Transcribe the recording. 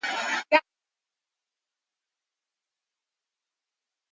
He is a member of the Hutu ethnic group.